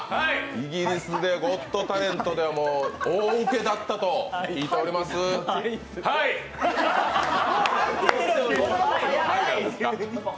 イギリスで「ゴット・タレント」で大ウケだったということですが。